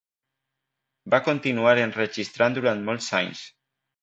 Va continuar enregistrant durant molts anys.